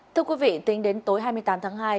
thưa quý vị tính đến tối hai mươi tám tháng hai